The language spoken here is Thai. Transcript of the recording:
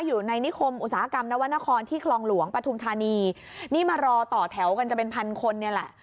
อยู่ในนิคมอุตสาหกรรมนวรรณครที่คลองหลวงปฐุมธานีนี่มารอต่อแถวกันจะเป็นพันคนเนี่ยแหละ